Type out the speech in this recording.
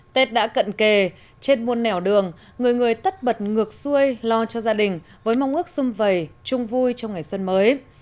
tết đã cận kề trên muôn nẻo đường người người tất bật ngược xuôi lo cho gia đình với mong ước xung vầy chung vui trong ngày xuân mới